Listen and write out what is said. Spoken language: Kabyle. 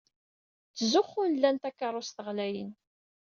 Ttzuxxun lan takeṛṛust ɣlayen.